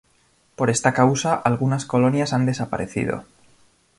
Por esta causa algunas colonias han desaparecido.